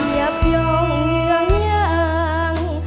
เหยียบยองเหงื่องยัง